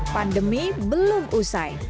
pandemi belum usai